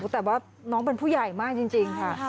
แต่ว่าน้องเป็นผู้ใหญ่มากจริงค่ะ